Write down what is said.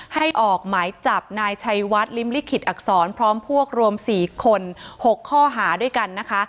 ออกหมายจับนายชัยวัดริมลิขิตอักษรพร้อมพวกรวม๔คน๖ข้อหาด้วยกันนะคะ